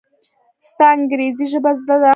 ستا انګرېزي ژبه زده ده!